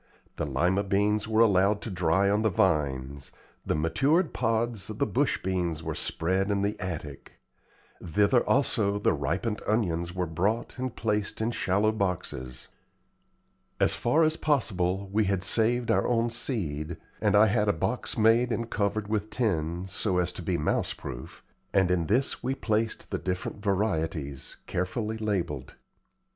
The Lima beans were allowed to dry on the vines; the matured pods of the bush beans were spread in the attic; thither also the ripened onions were brought and placed in shallow boxes. As far as possible we had saved our own seed, and I had had a box made and covered with tin, so as to be mouse proof, and in this we placed the different varieties, carefully labelled.